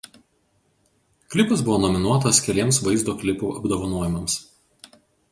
Klipas buvo nominuotas keliems vaizdo klipų apdovanojimams.